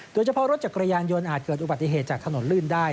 โดยเฉพาะรถจักรยานยนต์อาจเกิดอุบัติเหตุจากถนนลื่นได้